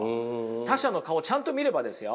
他者の顔をちゃんと見ればですよ。